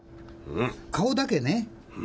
顔だけね。